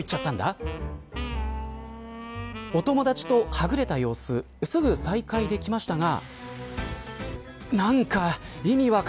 お友達と、はぐれた様子すぐ再会できましたが。